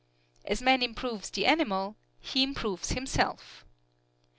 As man improves the animal, he improves himself.